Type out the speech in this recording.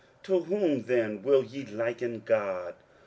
23:040:018 To whom then will ye liken God?